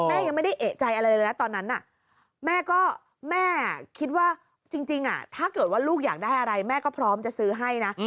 แม่ยังไม่ได้เอกใจอะไรเลยนะตอนนั้นแม่ก็แม่คิดว่าจริงถ้าเกิดว่าลูกอยากได้อะไรแม่ก็พร้อมจะซื้อให้นะ